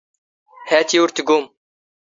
ⵀⴰⵜ ⵉ ⵓⵔ ⵜⴳⵓⵎ.